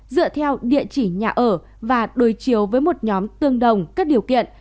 dựa theo địa chỉ nhà ở và đối chiếu với một nhóm tương đồng các điều kiện